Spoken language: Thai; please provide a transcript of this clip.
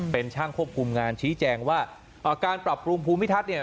เป็นช่างควบคุมงานชี้แจงว่าการปรับปรุงภูมิทัศน์เนี่ย